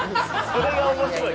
それが面白い。